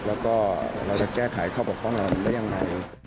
แล้วก็เราจะแก้ไขข้อปกป้องเราได้ยังไง